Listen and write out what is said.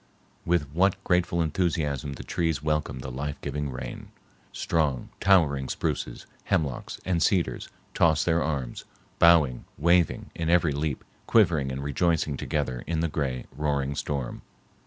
With what grateful enthusiasm the trees welcomed the life giving rain! Strong, towering spruces, hemlocks, and cedars tossed their arms, bowing, waving, in every leap, quivering and rejoicing together in the gray, roaring storm.